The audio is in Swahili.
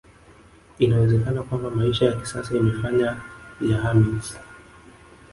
Inawezekana kwamba maisha ya kisasa imefanya ya hermits